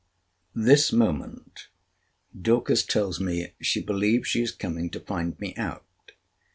This moment Dorcas tells me she believes she is coming to find me out.